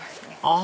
あ！